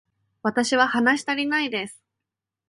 私は話したりないです